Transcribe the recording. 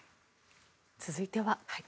続いては。